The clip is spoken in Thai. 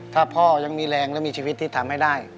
ถ้าพ่อยังมีแรงและมีชีวิตที่ทำให้ได้